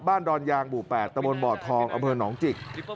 บ้านดอนยางบู๋๘ตระบวนบ่อทองอำเภอหนองจิก